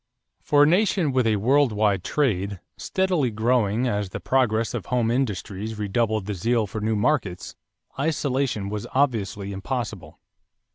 = For a nation with a world wide trade, steadily growing, as the progress of home industries redoubled the zeal for new markets, isolation was obviously impossible.